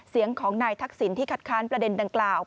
เสียงของนายทักษิณที่คัดค้านประเด็นดังกล่าว